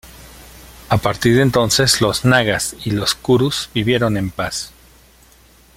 A partir de entonces los nagas y los kurus vivieron en paz.